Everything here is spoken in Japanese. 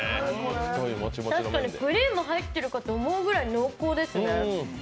確かにクリーム入ってるかと思うぐらい濃厚ですね。